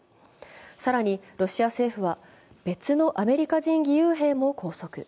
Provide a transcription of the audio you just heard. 更に、ロシア政府は別のアメリカ人義勇兵も拘束。